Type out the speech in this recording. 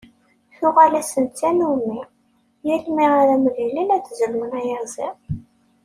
Tuɣal-asen d tannumi: yal mi ara mlilen ad d-zlun ayaziḍ.